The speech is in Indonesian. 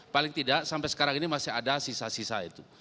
paling tidak sampai sekarang ini masih ada sisa sisa itu